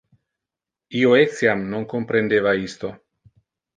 Io etiam non comprendeva isto.